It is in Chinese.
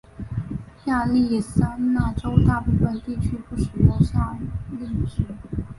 亚利桑那州大部分地区不使用夏令时。